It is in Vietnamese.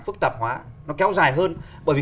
phức tạp hóa nó kéo dài hơn bởi vì